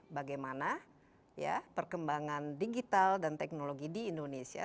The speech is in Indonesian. bagaimana perkembangan digital dan teknologi di indonesia